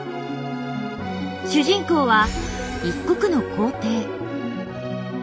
主人公は一国の皇帝。